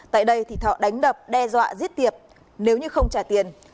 tại đây thì thọ đánh đập đe dọa giết tiệp nếu như không trả tiền